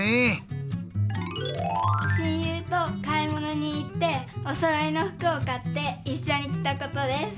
親友と買いものに行っておそろいのふくを買っていっしょにきたことです。